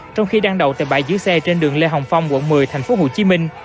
trong khi đang đậu tại bãi giữ xe trên đường lê hồng phong quận một mươi tp hcm